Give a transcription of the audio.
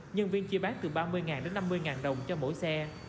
nhân viên chỉ bán từ ba mươi đến năm mươi đồng cho mỗi xe